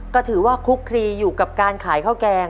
ก็ถือว่าคลุกคลีอยู่กับการขายข้าวแกง